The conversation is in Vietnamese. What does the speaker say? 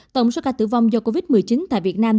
tổng số ca tử vong do covid một mươi chín tại việt nam